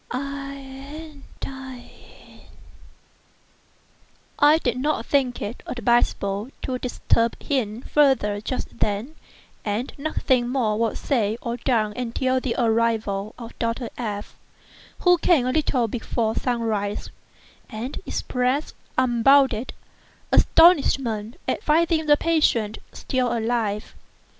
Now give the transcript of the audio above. I did not think it advisable to disturb him farther just then, and nothing more was said or done until the arrival of Dr. F——, who came a little before sunrise, and expressed unbounded astonishment at finding the patient still alive.